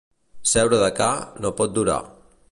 Seure de ca no pot durar.